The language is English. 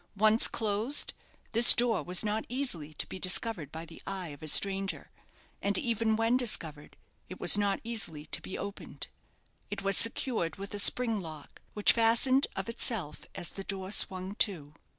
Once closed, this door was not easily to be discovered by the eye of a stranger; and, even when discovered, it was not easily to be opened. It was secured with a spring lock, which fastened of itself as the door swung to.